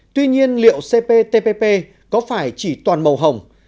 tuy nhiên liệu cptpp có phải chỉ toàn màu hồng